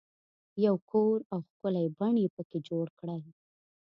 یو کور او ښکلی بڼ یې په کې جوړ کړل.